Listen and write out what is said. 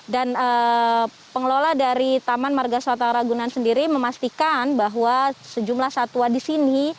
dan pengelola dari taman margasota ragunan sendiri memastikan bahwa sejumlah satwa di sini